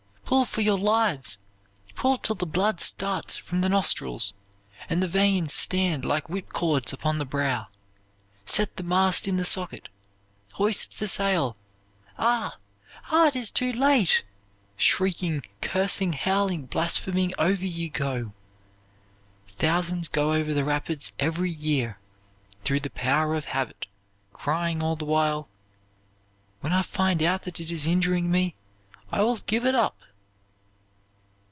Pull for your lives! Pull till the blood starts from the nostrils, and the veins stand like whip cords upon the brow! Set the mast in the socket! hoist the sail ah! ah! it is too late! Shrieking, cursing, howling, blaspheming, over you go. "Thousands go over the rapids every year, through the power of habit, crying all the while, 'When I find out that it is injuring me, I will give it up!'"